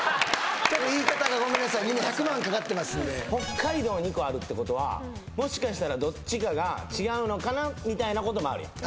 みんな１００万かかってますんで北海道２個あるってことはもしかしたらどっちかが違うのかなみたいなこともあるやん